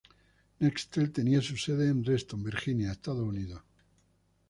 Nextel tenía su sede en Reston, Virginia, Estados Unidos.